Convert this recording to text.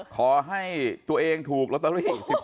ขอให้ตัวเองถูกลอตเตอรี่๑๒ล้านบาท